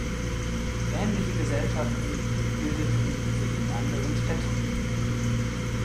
Ähnliche Gesellschaften bildeten sich in anderen Städten.